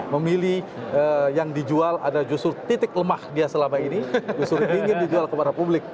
memilih yang dijual adalah justru titik lemah dia selama ini justru ingin dijual kepada publik